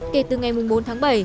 kể từ ngày bốn tháng bảy